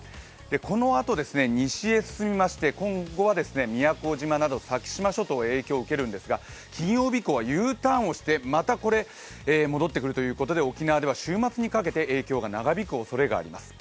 このあと、西へ進みまして今後は宮古島など先島諸島が影響を受けるんですが、金曜日以降はＵターンをして、また戻ってくるということで沖縄では週末にかけて影響が長引くおそれがあります。